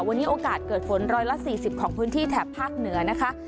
วันนี้โอกาสเกิดฝน๑๔๐ของพื้นที่แถบภาคเหนือนะคะ